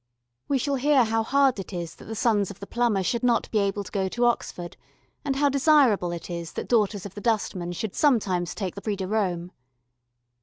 We shall hear how hard it is that the sons of the plumber should not be able to go to Oxford and how desirable it is that daughters of the dustman should sometimes take the Prix de Rome.